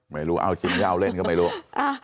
ไม่รู้เอาจริงไม่เอาเล่นก็ไม่รู้